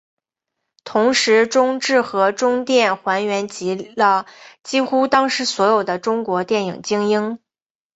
同时中制和中电还云集了几乎当时所有的中国电影精英。